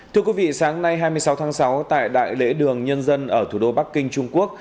thưa quý vị sáng nay hai mươi sáu tháng sáu tại đại lễ đường nhân dân ở thủ đô bắc kinh trung quốc